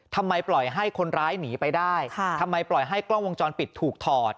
ทำไมปล่อยให้คนร้ายหนีไปได้ทำไมปล่อยให้กล้องวงจรปิดถูกถอด